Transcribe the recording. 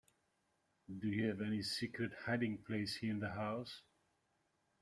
Do you have any secret hiding place here in the house?